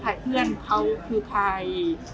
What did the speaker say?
ถ่ายเพื่อนเค้าคือถ่าย